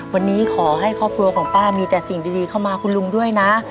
วันนี้ขอให้ครอบครัวของป้ามีแต่สิ่งดีเข้ามาคุณลุงด้วยนะ